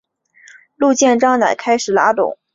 陆建章乃开始拉拢并试图收编樊钟秀部。